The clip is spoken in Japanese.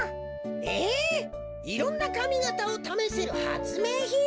・えっいろんなかみがたをためせるはつめいひん？